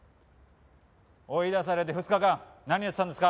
追い出されて２日間何やってたんですか？